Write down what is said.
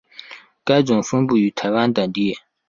该种分布于台湾等地。